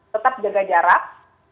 tetap jaga jarak